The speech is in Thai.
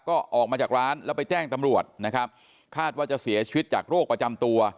ก็ออกมาจากร้านแล้วไปแจ้งตำรวจนะครับคาดว่าจะเสียชีวิตจากโรคประจำตัว